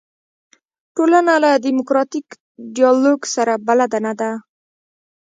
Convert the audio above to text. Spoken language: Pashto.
ټولنه له دیموکراتیک ډیالوګ سره بلده نه ده.